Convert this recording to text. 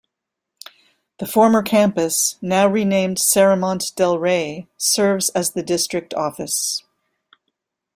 The former campus, now renamed Serramonte Del Rey, serves as the district office.